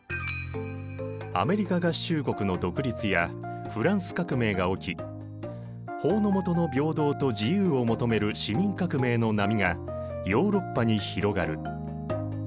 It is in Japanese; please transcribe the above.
アメリカ合衆国の独立やフランス革命が起き法の下の平等と自由を求める市民革命の波がヨーロッパに広がる。